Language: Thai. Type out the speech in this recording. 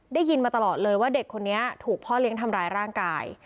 ได้ยินมาตลอดเลยว่าเด็กคนนี้ถูกพ่อเลี้ยงทำร้ายร่างกาย